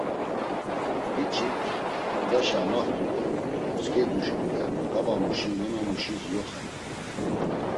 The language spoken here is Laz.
Biçik odaşa amaxtu do otzǩedu şkule babamuşi nanamuşis yoxen.